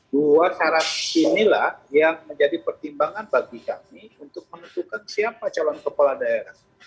dua syarat inilah yang menjadi pertimbangan bagi kami untuk menentukan siapa calon kepala daerah